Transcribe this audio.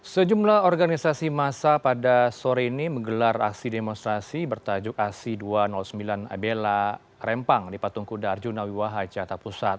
sejumlah organisasi massa pada sore ini menggelar aksi demonstrasi bertajuk aksi dua ratus sembilan abela rempang di patungkuda arjunawiwaha jatapusat